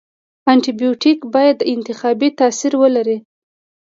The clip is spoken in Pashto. انټي بیوټیک باید انتخابي تاثیر ولري.